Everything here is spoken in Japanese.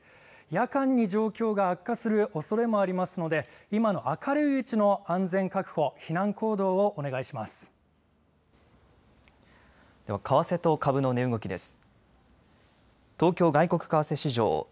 夜間に状況が悪化するおそれもありますので、今の明るいうちの安全確保、避難行動をお願いします。